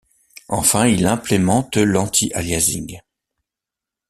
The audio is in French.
Enfin, il implémente l'anti-aliasing.